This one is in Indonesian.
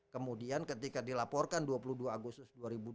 kemudian ketika dilaporkan dua puluh dua agustus dua ribu dua puluh